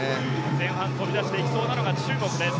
前半飛び出していきそうなのが中国です。